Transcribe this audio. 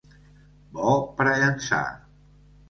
Bo per a llençar.